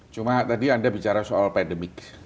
cuma tadi anda bicara soal pandemik